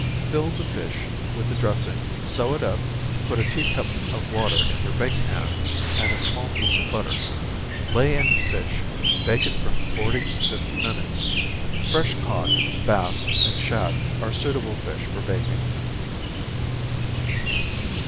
Fill the fish, with the dressing, sew it up, put a tea cup of water in your bake pan, and a small piece of butter lay in the fish, bake it from forty to fifty minutes. Fresh cod, bass, and shad, are suitable fish for baking.